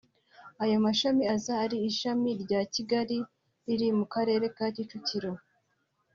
Ayo mashami aza ari ishami rya Kigali riri mu Karere ka Kicukiro